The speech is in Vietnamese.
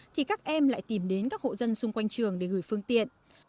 thì các em lại tìm đến các hộ dân xung quanh trường để gửi phương tiện